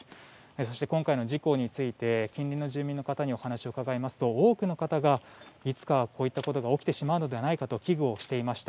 そして、今回の事故について近隣の住民の方にお話を伺いますと多くの方がいつかはこういったことが起きてしまうのではないかと危惧していました。